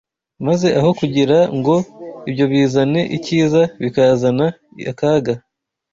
maze aho kugira ngo ibyo bizane icyiza bikazana akaga